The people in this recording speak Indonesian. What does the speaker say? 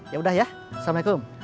ya udah ya assalamualaikum